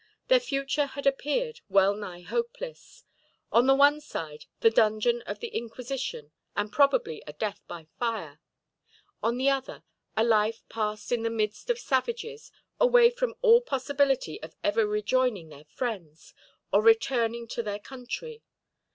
Their future had appeared well nigh hopeless. On the one side, the dungeon of the Inquisition and probably a death by fire. On the other, a life passed in the midst of savages, away from all possibility of ever rejoining their friends, or returning to their country.